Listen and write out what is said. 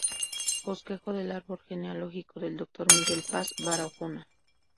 Bosquejo del árbol genealógico del doctor Miguel Paz Barahona.